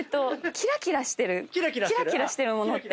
キラキラしてる物って。